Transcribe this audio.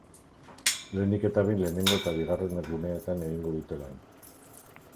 Lehenik eta behin lehenengo eta bigarren guneetan egingo dute lan.